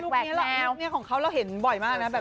ลูกนี้แหละลูกเขาเขาเราเห็นบ่อยมากนะ